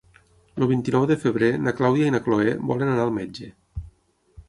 El vint-i-nou de febrer na Clàudia i na Cloè volen anar al metge.